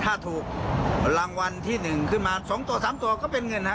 ถ้าถูกรางวัลที่หนึ่งขึ้นมาสองตัวสามตัวก็เป็นเงินฮะ